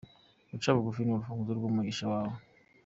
Guca bugufi ni urufunguzo rw’umugisha wawe